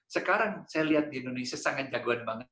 sekarang saya lihat di indonesia sangat jagoan banget